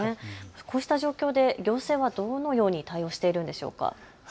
こうした状況で行政はどのように対応しているんでしょうか。